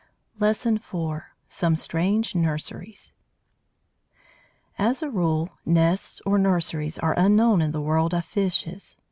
LESSON IV SOME STRANGE NURSERIES As a rule, nests or nurseries are unknown in the world of fishes.